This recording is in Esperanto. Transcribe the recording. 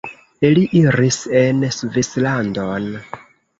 Li iris en Svislandon.